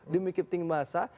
demi kipting bahasa